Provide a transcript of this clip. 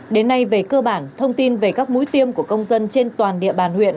đến nay về cơ bản thông tin về các mũi tiêm của công dân trên toàn địa bàn huyện